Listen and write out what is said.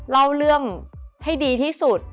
เล่าเรื่องให้ดีที่สุด